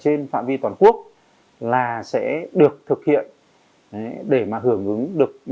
trên phạm vi toàn quốc là sẽ được thực hiện để mà hưởng ứng được